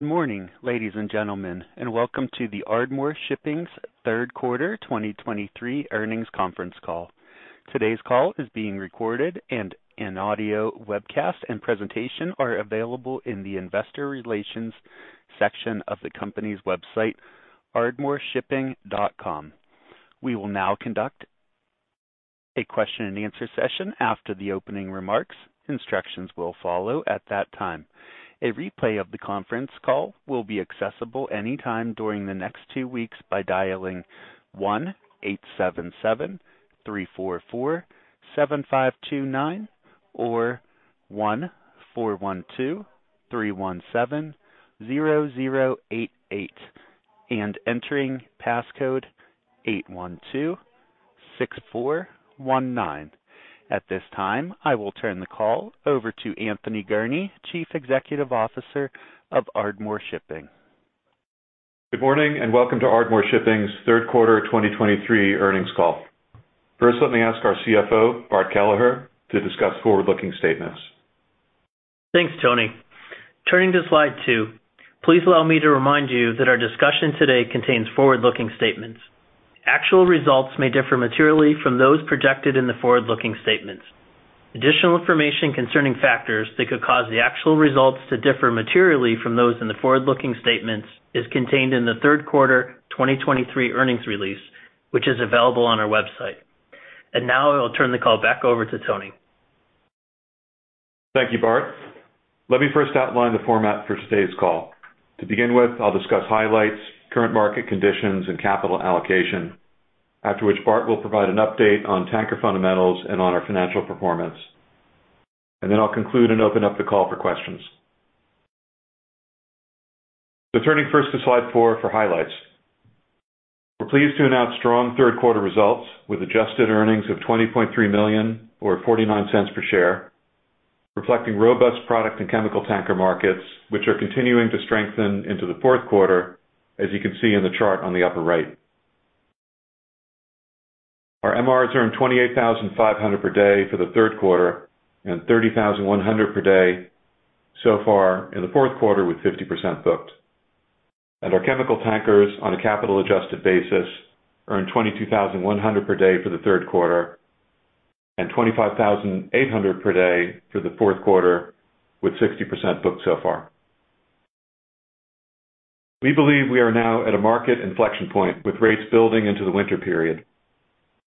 Good morning, ladies and gentlemen, and welcome to the Ardmore Shipping's third quarter 2023 earnings conference call. Today's call is being recorded, and an audio webcast and presentation are available in the investor relations section of the company's website, ardmoreshipping.com. We will now conduct a question-and-answer session after the opening remarks. Instructions will follow at that time. A replay of the conference call will be accessible anytime during the next two weeks by dialing 1-877-344-7529, or 1-412-317-0088, and entering passcode 8126419. At this time, I will turn the call over to Anthony Gurnee, Chief Executive Officer of Ardmore Shipping. Good morning, and welcome to Ardmore Shipping's third quarter 2023 earnings call. First, let me ask our CFO, Bart Kelleher, to discuss forward-looking statements. Thanks, Tony. Turning to slide 2, please allow me to remind you that our discussion today contains forward-looking statements. Actual results may differ materially from those projected in the forward-looking statements. Additional information concerning factors that could cause the actual results to differ materially from those in the forward-looking statements is contained in the third quarter 2023 earnings release, which is available on our website. Now I'll turn the call back over to Tony. Thank you, Bart. Let me first outline the format for today's call. To begin with, I'll discuss highlights, current market conditions, and capital allocation. After which, Bart will provide an update on tanker fundamentals and on our financial performance. And then I'll conclude and open up the call for questions. So turning first to slide 4 for highlights. We're pleased to announce strong third quarter results with adjusted earnings of $20.3 million or $0.49 per share, reflecting robust product and chemical tanker markets, which are continuing to strengthen into the fourth quarter, as you can see in the chart on the upper right. Our MRs earned $28,500 per day for the third quarter and $30,100 per day so far in the fourth quarter, with 50% booked. Our chemical tankers, on a capital adjusted basis, earned $22,100 per day for the third quarter and $25,800 per day for the fourth quarter, with 60% booked so far. We believe we are now at a market inflection point, with rates building into the winter period.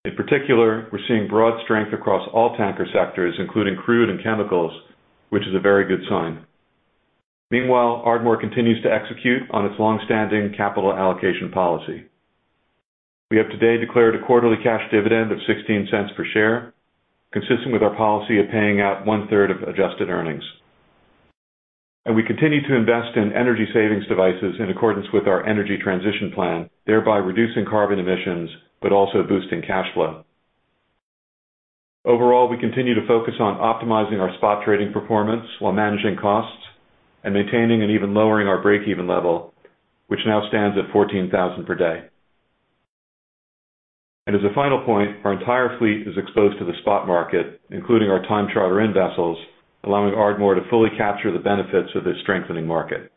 In particular, we're seeing broad strength across all tanker sectors, including crude and chemicals, which is a very good sign. Meanwhile, Ardmore continues to execute on its long-standing capital allocation policy. We have today declared a quarterly cash dividend of $0.16 per share, consistent with our policy of paying out one-third of adjusted earnings. We continue to invest in energy savings devices in accordance with our energy transition plan, thereby reducing carbon emissions but also boosting cash flow. Overall, we continue to focus on optimizing our spot trading performance while managing costs and maintaining and even lowering our breakeven level, which now stands at $14,000 per day. And as a final point, our entire fleet is exposed to the spot market, including our time charter-in vessels, allowing Ardmore to fully capture the benefits of this strengthening market.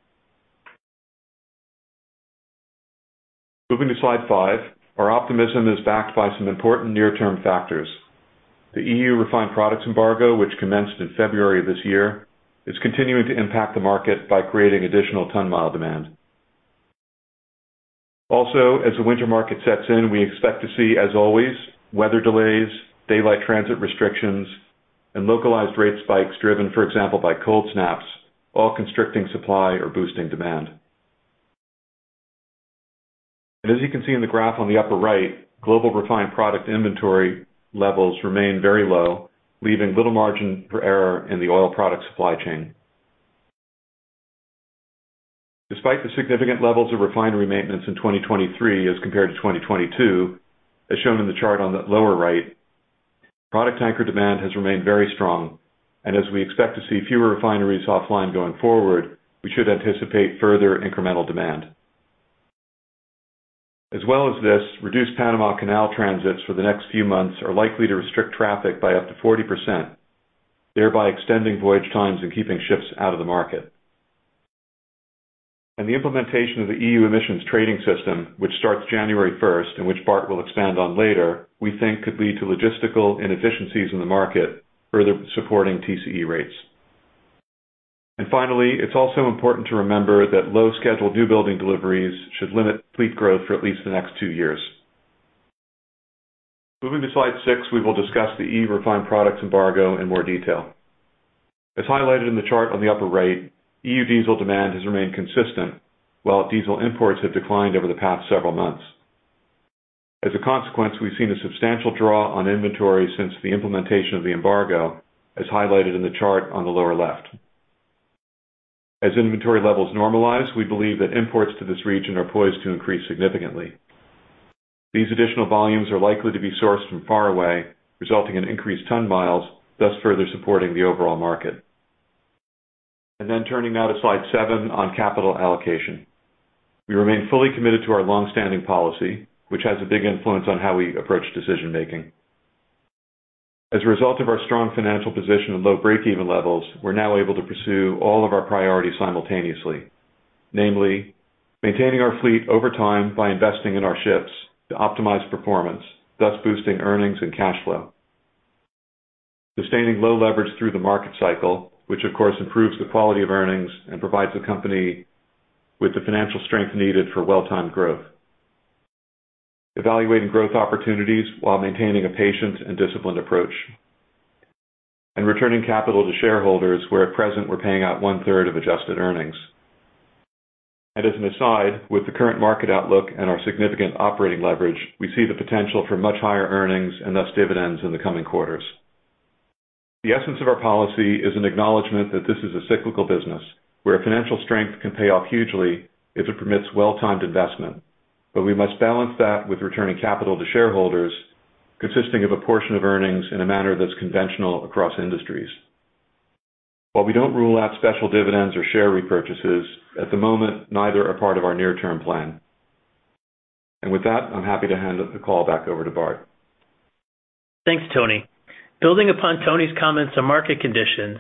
Moving to slide 5. Our optimism is backed by some important near-term factors. The EU refined products embargo, which commenced in February of this year, is continuing to impact the market by creating additional ton-mile demand. Also, as the winter market sets in, we expect to see, as always, weather delays, daylight transit restrictions, and localized rate spikes driven, for example, by cold snaps, all constricting supply or boosting demand. As you can see in the graph on the upper right, global refined product inventory levels remain very low, leaving little margin for error in the oil product supply chain. Despite the significant levels of refinery maintenance in 2023, as compared to 2022, as shown in the chart on the lower right, product tanker demand has remained very strong, and as we expect to see fewer refineries offline going forward, we should anticipate further incremental demand. As well as this, reduced Panama Canal transits for the next few months are likely to restrict traffic by up to 40%, thereby extending voyage times and keeping ships out of the market. The implementation of the EU Emissions Trading System, which starts January first, and which Bart will expand on later, we think could lead to logistical inefficiencies in the market, further supporting TCE rates. Finally, it's also important to remember that low scheduled new building deliveries should limit fleet growth for at least the next two years. Moving to slide six, we will discuss the EU refined products embargo in more detail. As highlighted in the chart on the upper right, EU diesel demand has remained consistent, while diesel imports have declined over the past several months. As a consequence, we've seen a substantial draw on inventory since the implementation of the embargo, as highlighted in the chart on the lower left. As inventory levels normalize, we believe that imports to this region are poised to increase significantly. These additional volumes are likely to be sourced from far away, resulting in increased ton-miles, thus further supporting the overall market. Then turning now to slide seven on capital allocation. We remain fully committed to our long-standing policy, which has a big influence on how we approach decision making. As a result of our strong financial position and low breakeven levels, we're now able to pursue all of our priorities simultaneously. Namely, maintaining our fleet over time by investing in our ships to optimize performance, thus boosting earnings and cash flow. Sustaining low leverage through the market cycle, which, of course, improves the quality of earnings and provides the company with the financial strength needed for well-timed growth. Evaluating growth opportunities while maintaining a patient and disciplined approach, and returning capital to shareholders, where at present, we're paying out one-third of adjusted earnings. And as an aside, with the current market outlook and our significant operating leverage, we see the potential for much higher earnings and thus dividends in the coming quarters. The essence of our policy is an acknowledgment that this is a cyclical business, where financial strength can pay off hugely if it permits well-timed investment. But we must balance that with returning capital to shareholders, consisting of a portion of earnings in a manner that's conventional across industries. While we don't rule out special dividends or share repurchases, at the moment, neither are part of our near-term plan. And with that, I'm happy to hand the call back over to Bart. Thanks, Tony. Building upon Tony's comments on market conditions,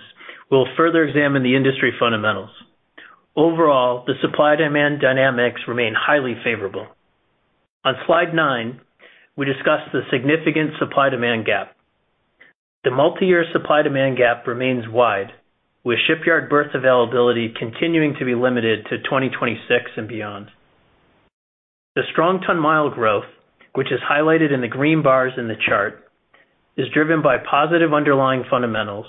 we'll further examine the industry fundamentals. Overall, the supply-demand dynamics remain highly favorable. On slide 9, we discuss the significant supply-demand gap. The multi-year supply-demand gap remains wide, with shipyard berth availability continuing to be limited to 2026 and beyond. The strong ton-mile growth, which is highlighted in the green bars in the chart, is driven by positive underlying fundamentals,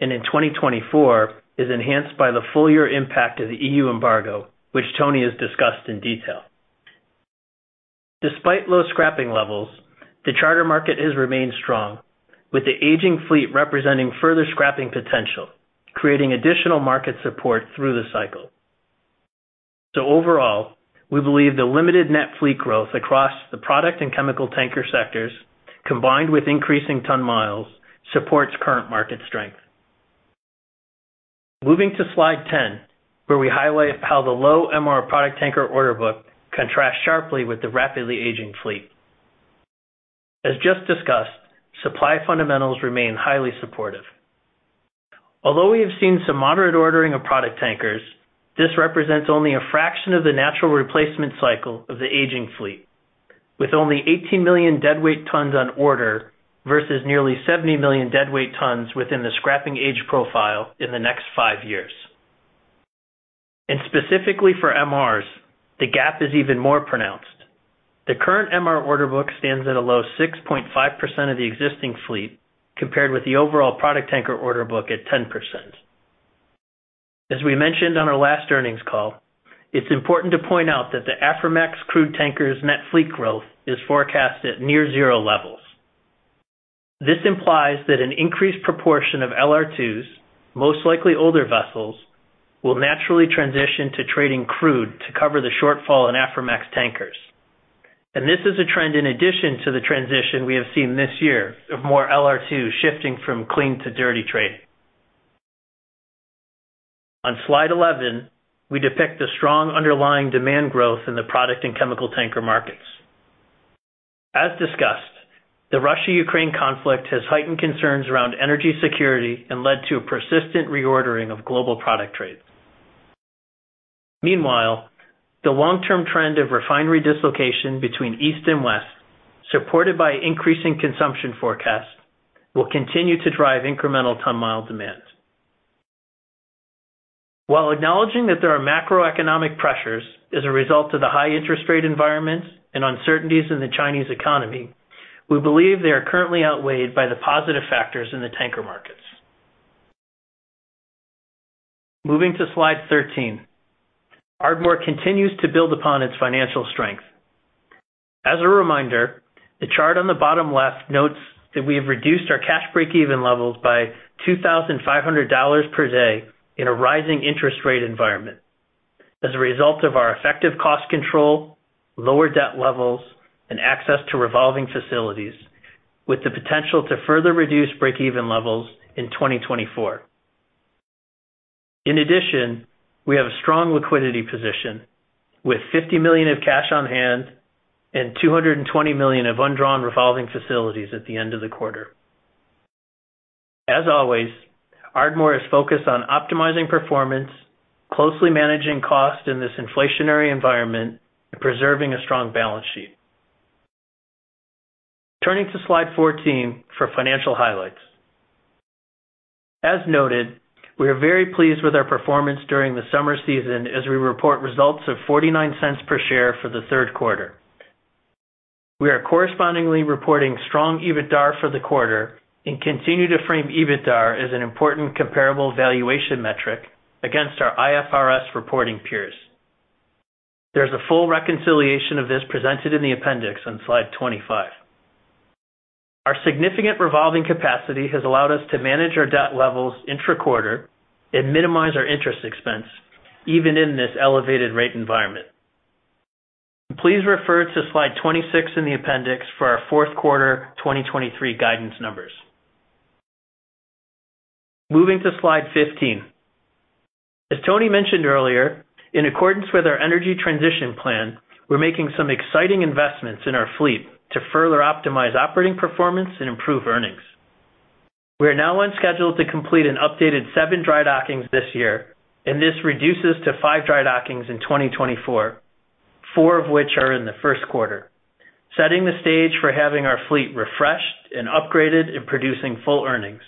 and in 2024, is enhanced by the full year impact of the EU embargo, which Tony has discussed in detail. Despite low scrapping levels, the charter market has remained strong, with the aging fleet representing further scrapping potential, creating additional market support through the cycle. So overall, we believe the limited net fleet growth across the product and chemical tanker sectors, combined with increasing ton-miles, supports current market strength. Moving to Slide 10, where we highlight how the low MR product tanker order book contrasts sharply with the rapidly aging fleet. As just discussed, supply fundamentals remain highly supportive. Although we have seen some moderate ordering of product tankers, this represents only a fraction of the natural replacement cycle of the aging fleet, with only 18 million deadweight tons on order, versus nearly 70 million deadweight tons within the scrapping age profile in the next 5 years. Specifically for MRs, the gap is even more pronounced. The current MR order book stands at a low 6.5% of the existing fleet, compared with the overall product tanker order book at 10%. As we mentioned on our last earnings call, it's important to point out that the Aframax crude tankers net fleet growth is forecast at near zero levels. This implies that an increased proportion of LR2s, most likely older vessels, will naturally transition to trading crude to cover the shortfall in Aframax tankers. This is a trend in addition to the transition we have seen this year of more LR2s shifting from clean to dirty trade. On Slide 11, we depict the strong underlying demand growth in the product and chemical tanker markets. As discussed, the Russia-Ukraine conflict has heightened concerns around energy security and led to a persistent reordering of global product trade. Meanwhile, the long-term trend of refinery dislocation between East and West, supported by increasing consumption forecasts, will continue to drive incremental ton-mile demand. While acknowledging that there are macroeconomic pressures as a result of the high interest rate environment and uncertainties in the Chinese economy, we believe they are currently outweighed by the positive factors in the tanker markets. Moving to slide 13, Ardmore continues to build upon its financial strength. As a reminder, the chart on the bottom left notes that we have reduced our cash breakeven levels by $2,500 per day in a rising interest rate environment as a result of our effective cost control, lower debt levels, and access to revolving facilities, with the potential to further reduce breakeven levels in 2024. In addition, we have a strong liquidity position, with $50 million of cash on hand and $220 million of undrawn revolving facilities at the end of the quarter. As always, Ardmore is focused on optimizing performance, closely managing costs in this inflationary environment, and preserving a strong balance sheet. Turning to slide 14 for financial highlights. As noted, we are very pleased with our performance during the summer season, as we report results of $0.49 per share for the third quarter. We are correspondingly reporting strong EBITDAR for the quarter and continue to frame EBITDAR as an important comparable valuation metric against our IFRS reporting peers. There's a full reconciliation of this presented in the appendix on slide 25. Our significant revolving capacity has allowed us to manage our debt levels intra-quarter and minimize our interest expense, even in this elevated rate environment. Please refer to slide 26 in the appendix for our fourth quarter 2023 guidance numbers.... Moving to slide 15. As Tony mentioned earlier, in accordance with our energy transition plan, we're making some exciting investments in our fleet to further optimize operating performance and improve earnings. We are now on schedule to complete an updated 7 dry dockings this year, and this reduces to 5 dry dockings in 2024, 4 of which are in the first quarter, setting the stage for having our fleet refreshed and upgraded and producing full earnings.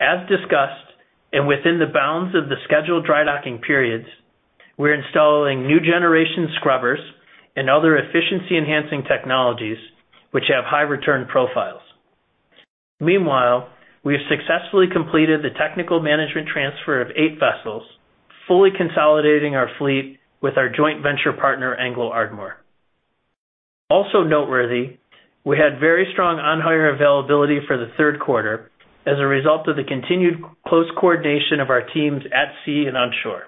As discussed, and within the bounds of the scheduled dry docking periods, we're installing new generation scrubbers and other efficiency-enhancing technologies which have high return profiles. Meanwhile, we have successfully completed the technical management transfer of 8 vessels, fully consolidating our fleet with our joint venture partner, Anglo-Ardmore. Also noteworthy, we had very strong on-hire availability for the third quarter as a result of the continued close coordination of our teams at sea and on shore.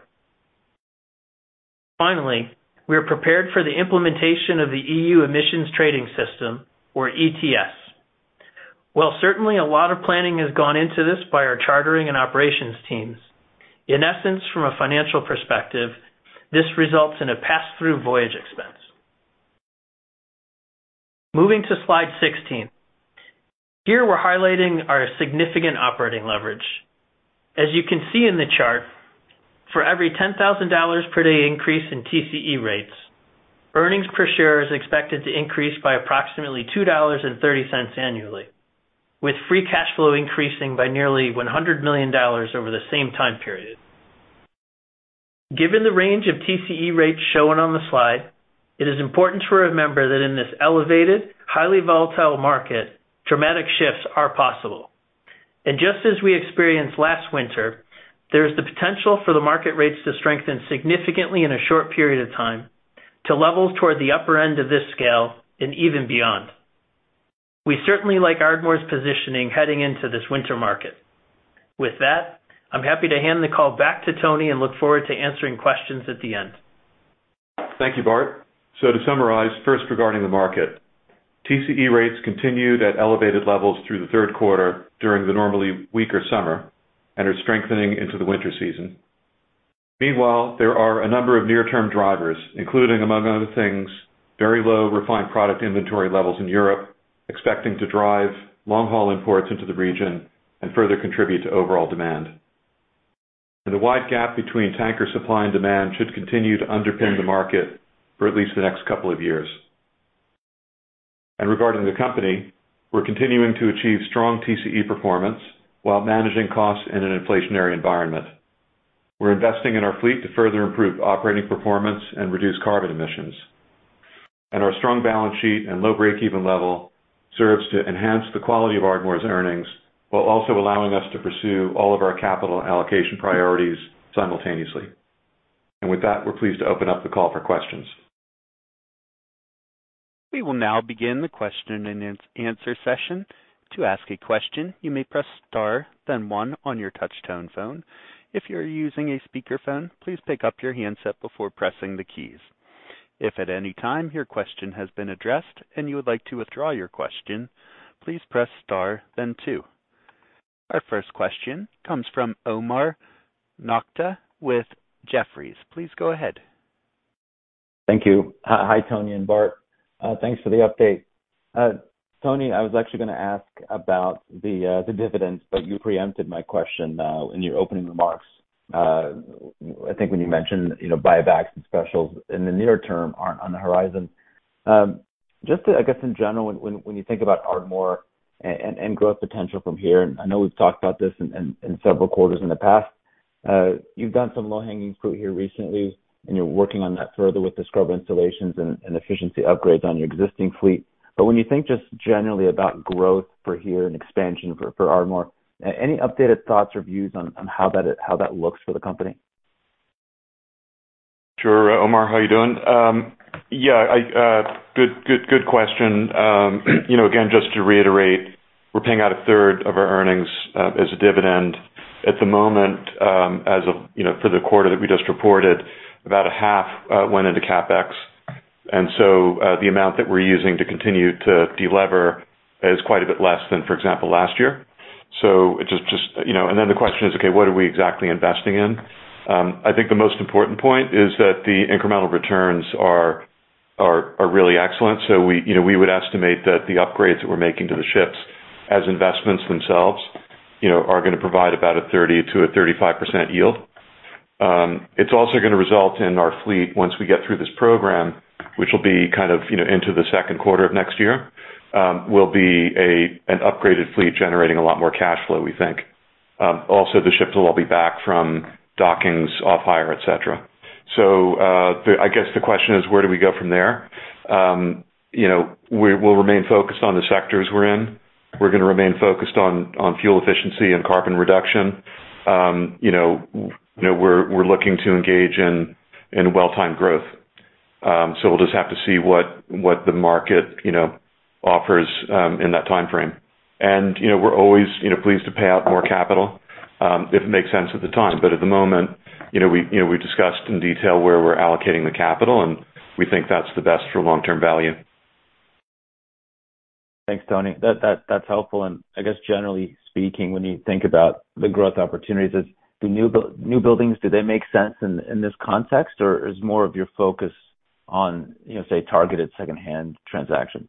Finally, we are prepared for the implementation of the EU Emissions Trading System, or ETS. While certainly a lot of planning has gone into this by our chartering and operations teams, in essence, from a financial perspective, this results in a pass-through voyage expense. Moving to slide 16. Here, we're highlighting our significant operating leverage. As you can see in the chart, for every $10,000 per day increase in TCE rates, earnings per share is expected to increase by approximately $2.30 annually, with free cash flow increasing by nearly $100 million over the same time period. Given the range of TCE rates shown on the slide, it is important to remember that in this elevated, highly volatile market, dramatic shifts are possible. Just as we experienced last winter, there is the potential for the market rates to strengthen significantly in a short period of time to levels toward the upper end of this scale and even beyond. We certainly like Ardmore's positioning heading into this winter market. With that, I'm happy to hand the call back to Tony and look forward to answering questions at the end. Thank you, Bart. To summarize, first, regarding the market, TCE rates continued at elevated levels through the third quarter during the normally weaker summer and are strengthening into the winter season. Meanwhile, there are a number of near-term drivers, including, among other things, very low refined product inventory levels in Europe, expecting to drive long-haul imports into the region and further contribute to overall demand. The wide gap between tanker supply and demand should continue to underpin the market for at least the next couple of years. Regarding the company, we're continuing to achieve strong TCE performance while managing costs in an inflationary environment. We're investing in our fleet to further improve operating performance and reduce carbon emissions. Our strong balance sheet and low breakeven level serves to enhance the quality of Ardmore's earnings, while also allowing us to pursue all of our capital allocation priorities simultaneously. With that, we're pleased to open up the call for questions. We will now begin the question and answer session. To ask a question, you may press Star, then one on your touchtone phone. If you're using a speakerphone, please pick up your handset before pressing the keys. If at any time your question has been addressed and you would like to withdraw your question, please press Star then two. Our first question comes from Omar Nokta with Jefferies. Please go ahead. Thank you. Hi, Tony and Bart. Thanks for the update. Tony, I was actually going to ask about the dividends, but you preempted my question in your opening remarks. I think when you mentioned, you know, buybacks and specials in the near term aren't on the horizon. Just to, I guess, in general, when you think about Ardmore and growth potential from here, and I know we've talked about this in several quarters in the past. You've done some low-hanging fruit here recently, and you're working on that further with the scrubber installations and efficiency upgrades on your existing fleet. But when you think just generally about growth here and expansion for Ardmore, any updated thoughts or views on how that looks for the company? Sure, Omar, how are you doing? Yeah, good, good, good question. You know, again, just to reiterate, we're paying out a third of our earnings as a dividend. At the moment, as of, you know, for the quarter that we just reported, about a half went into CapEx, and so, the amount that we're using to continue to delever is quite a bit less than, for example, last year. So just, just, you know, and then the question is: Okay, what are we exactly investing in? I think the most important point is that the incremental returns are really excellent. So we, you know, we would estimate that the upgrades that we're making to the ships as investments themselves, you know, are going to provide about 30%-35% yield. It's also going to result in our fleet, once we get through this program, which will be kind of, you know, into the second quarter of next year, will be an upgraded fleet generating a lot more cash flow, we think. Also, the ships will all be back from dockings, off hire, et cetera. So, I guess the question is, where do we go from there? You know, we'll remain focused on the sectors we're in. We're going to remain focused on fuel efficiency and carbon reduction. You know, we're looking to engage in well-timed growth. So we'll just have to see what the market, you know, offers in that timeframe. And, you know, we're always, you know, pleased to pay out more capital if it makes sense at the time. But at the moment, you know, we, you know, we've discussed in detail where we're allocating the capital, and we think that's the best for long-term value.... Thanks, Tony. That's helpful. And I guess generally speaking, when you think about the growth opportunities, is the new buildings, do they make sense in this context, or is more of your focus on, you know, say, targeted secondhand transactions?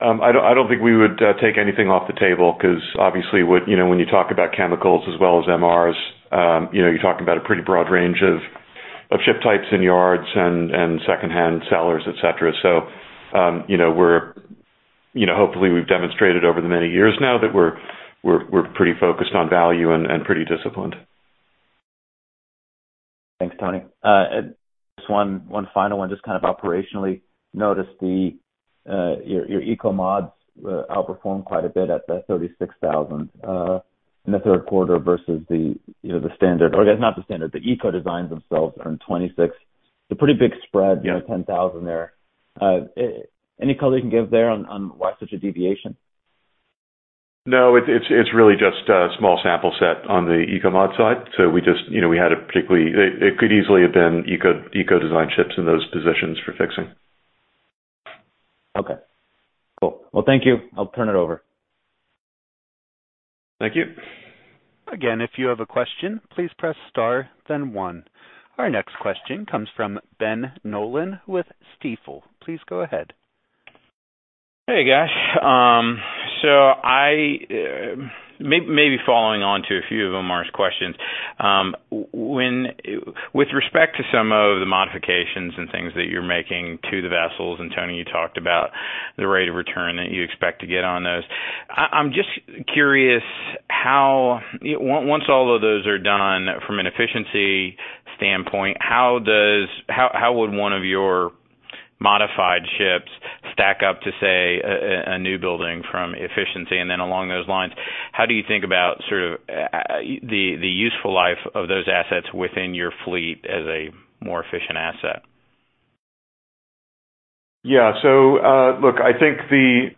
I don't think we would take anything off the table, 'cause obviously you know, when you talk about chemicals as well as MRs, you know, you're talking about a pretty broad range of ship types and yards and secondhand sellers, et cetera. So, you know, we're. You know, hopefully, we've demonstrated over the many years now that we're pretty focused on value and pretty disciplined. Thanks, Tony. Just one final one, just kind of operationally. Noticed your Eco-mods outperformed quite a bit at the $36,000 in the third quarter versus the, you know, the standard, or I guess not the standard, the Eco-designs themselves earned $26,000. A pretty big spread. Yeah. You know, $10,000 there. Any color you can give there on, on why such a deviation? No, it's really just a small sample set on the Eco-mod side. So we just, you know, we had a particularly... It could easily have been Eco-design ships in those positions for fixing. Okay, cool. Well, thank you. I'll turn it over. Thank you. Again, if you have a question, please press star then one. Our next question comes from Ben Nolan with Stifel. Please go ahead. Hey, guys. So maybe following on to a few of Omar's questions, with respect to some of the modifications and things that you're making to the vessels, and Tony, you talked about the rate of return that you expect to get on those, I'm just curious, how once all of those are done, from an efficiency standpoint, how would one of your modified ships stack up to, say, a new building from efficiency? And then along those lines, how do you think about sort of the useful life of those assets within your fleet as a more efficient asset? Yeah. So, look, I think the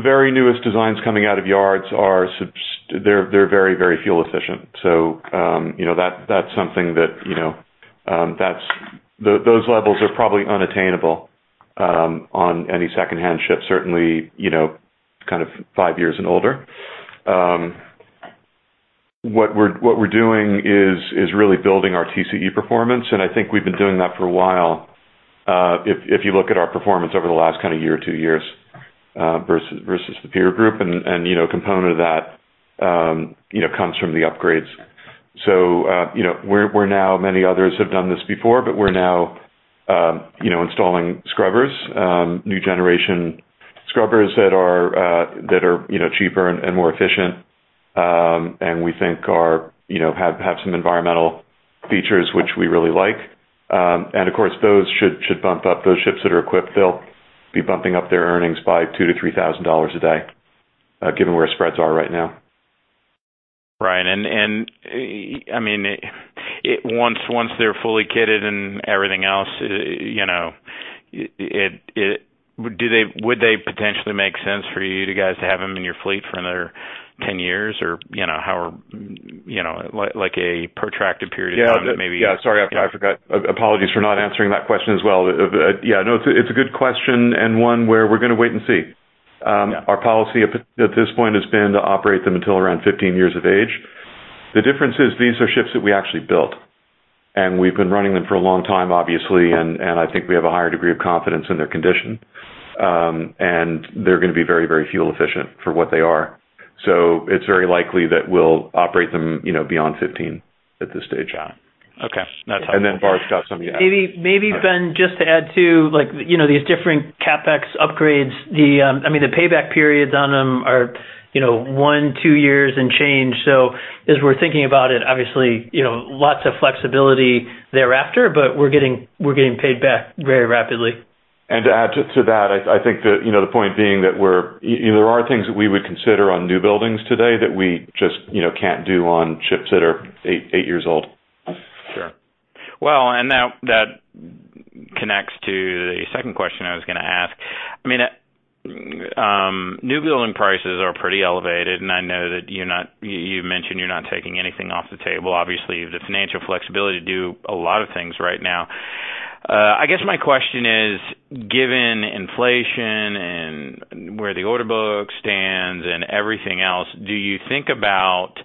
very newest designs coming out of yards are they're very, very fuel efficient. So, you know, that's something that, you know, those levels are probably unattainable on any secondhand ship, certainly, you know, kind of five years and older. What we're doing is really building our TCE performance, and I think we've been doing that for a while, if you look at our performance over the last kind of year or two years, versus the peer group and, you know, component of that, you know, comes from the upgrades. So, you know, we're now, many others have done this before, but we're now, you know, installing scrubbers, new generation scrubbers that are, you know, cheaper and more efficient, and we think are, you know, have some environmental features which we really like. And of course, those should bump up those ships that are equipped. They'll be bumping up their earnings by $2,000-$3,000 a day, given where spreads are right now. Right. And I mean, once they're fully kitted and everything else, you know, it, do they, would they potentially make sense for you guys to have them in your fleet for another ten years? Or, you know, how are... You know, like a protracted period of time that maybe- Yeah, sorry, I forgot. Apologies for not answering that question as well. Yeah, no, it's a good question and one where we're gonna wait and see. Yeah. Our policy at this point has been to operate them until around 15 years of age. The difference is these are ships that we actually built, and we've been running them for a long time, obviously, and I think we have a higher degree of confidence in their condition. And they're gonna be very, very fuel efficient for what they are. So it's very likely that we'll operate them, you know, beyond 15 at this stage. Yeah. Okay. That's helpful. And then Bart's got some, yeah. Maybe, Ben, just to add, too, like, you know, these different CapEx upgrades, the, I mean, the payback periods on them are, you know, 1-2 years and change. So as we're thinking about it, obviously, you know, lots of flexibility thereafter, but we're getting, we're getting paid back very rapidly. And to add to that, I think that, you know, the point being that we're, you know, there are things that we would consider on new buildings today that we just, you know, can't do on ships that are 8 years old. Sure. Well, and that connects to the second question I was gonna ask. I mean, new building prices are pretty elevated, and I know that you're not taking anything off the table. Obviously, you have the financial flexibility to do a lot of things right now. I guess my question is, given inflation and where the order book stands and everything else, do you think about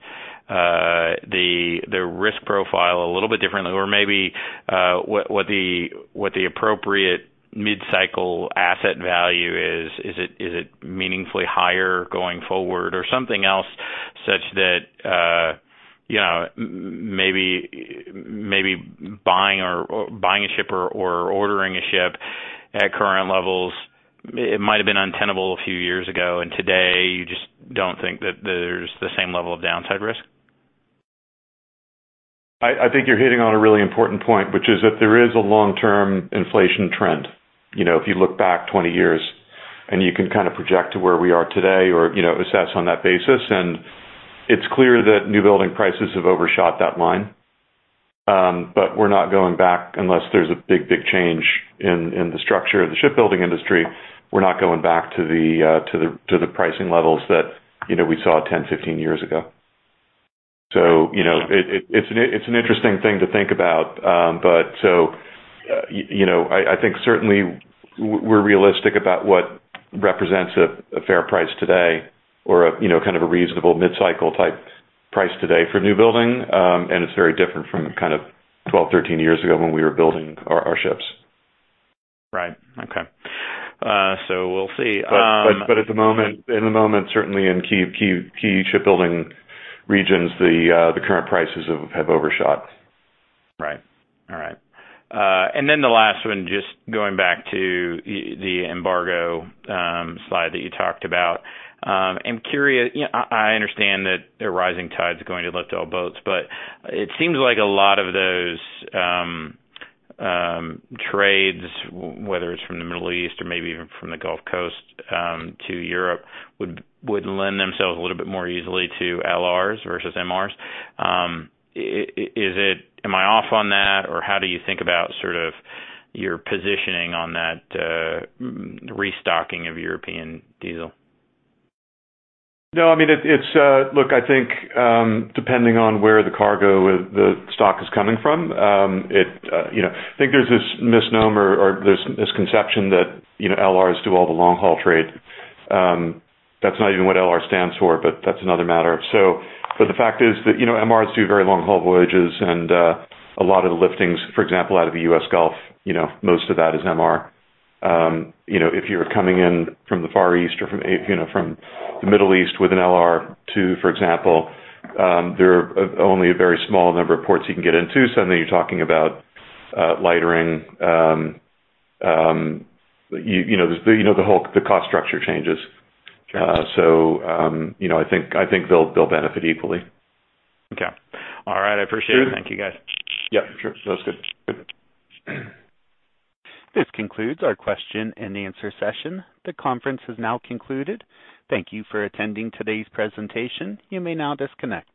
the risk profile a little bit differently? Or maybe what the appropriate mid-cycle asset value is. Is it meaningfully higher going forward or something else such that, you know, maybe buying a ship or ordering a ship at current levels, it might have been untenable a few years ago, and today you just don't think that there's the same level of downside risk? I think you're hitting on a really important point, which is that there is a long-term inflation trend. You know, if you look back 20 years, and you can kind of project to where we are today or, you know, assess on that basis, and it's clear that new building prices have overshot that line. But we're not going back unless there's a big, big change in the structure of the shipbuilding industry. We're not going back to the pricing levels that, you know, we saw 10, 15 years ago. So, you know, it's an interesting thing to think about. But so, you know, I think certainly we're realistic about what represents a fair price today or a, you know, kind of a reasonable mid-cycle type price today for new building. It's very different from kind of 12, 13 years ago when we were building our ships. Right. Okay. So we'll see. But at the moment, certainly in key shipbuilding regions, the current prices have overshot. Right. All right. And then the last one, just going back to the embargo slide that you talked about. I'm curious, you know, I understand that the rising tide is going to lift all boats, but it seems like a lot of those trades, whether it's from the Middle East or maybe even from the Gulf Coast to Europe, would lend themselves a little bit more easily to LR versus MRs. Is it... Am I off on that, or how do you think about sort of your positioning on that restocking of European diesel? No, I mean, it's, look, I think, depending on where the cargo, the stock is coming from, it, you know, I think there's this misnomer or there's this conception that, you know, LRs do all the long haul trade. That's not even what LR stands for, but that's another matter. So, but the fact is that, you know, MRs do very long haul voyages, and a lot of the liftings, for example, out of the US Gulf, you know, most of that is MR. You know, if you're coming in from the Far East or from, you know, from the Middle East with an LR, to, for example, there are only a very small number of ports you can get into. Suddenly you're talking about lightering, you know, the whole cost structure changes. Got you. So, you know, I think, I think they'll, they'll benefit equally. Okay. All right, I appreciate it. Sure. Thank you, guys. Yeah, sure. Sounds good. This concludes our question and answer session. The conference has now concluded. Thank you for attending today's presentation. You may now disconnect.